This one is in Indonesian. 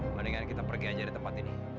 mendingan kita pergi aja di tempat ini